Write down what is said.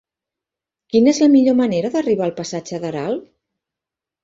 Quina és la millor manera d'arribar al passatge d'Aral?